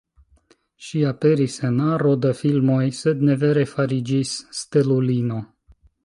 Ŝi aperis en aro da filmoj, sed ne vere fariĝis stelulino.